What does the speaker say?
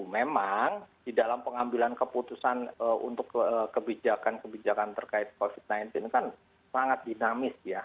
memang di dalam pengambilan keputusan untuk kebijakan kebijakan terkait covid sembilan belas ini kan sangat dinamis ya